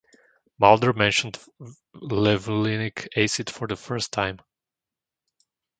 Mulder mentioned levulinic acid for the first time.